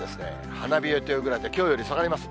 花冷えというぐらいなんで、きょうより下がります。